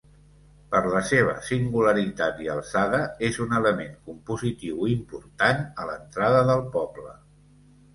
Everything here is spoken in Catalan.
Per la seva singularitat i alçada, és un element compositiu important a l'entrada del poble.